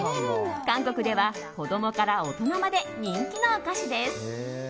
韓国では子供から大人まで人気のお菓子です。